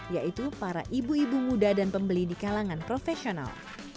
yaitu para ibu ibu muda dan pembeli di kalangan profesional